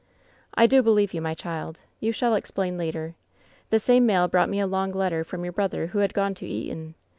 " 'I do believe you, my child. You shall explain later. The same mail brought me a long letter from your brother, who had gone to Eton.